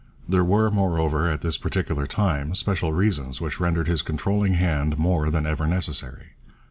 There were, moreover, at this particular time special reasons which rendered his controlling hand more than ever necessary.